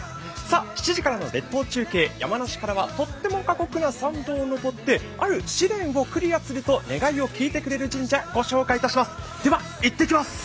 ７時からの列島中継、山梨からはとっても過酷な参道を上ってある試練をクリアすると、願いを聞いてくれる神社ご紹介いたします。